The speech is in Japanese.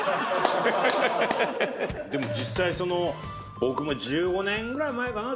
実際僕も１５年ぐらい前かな